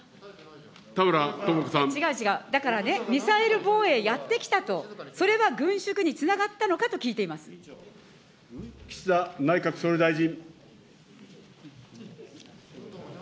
違う、違う、だからね、ミサイル防衛やってきたと、それは軍縮につながったのかと聞いていま岸田内閣総理大臣。